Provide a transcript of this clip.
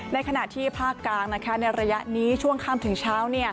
ในขณะที่ภาคกลางในระยะนี้ช่วงค่ำถึงเช้า